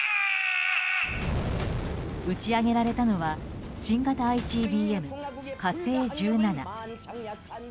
打ち上げられたのは新型ＩＣＢＭ「火星１７」。